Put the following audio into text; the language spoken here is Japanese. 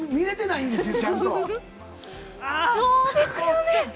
そうですよね。